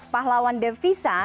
tiga belas pahlawan devisa